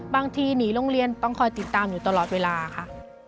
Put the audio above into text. บางทีหนีโรงเรียนต้องคอยติดตามอยู่ตลอดเวลาค่ะ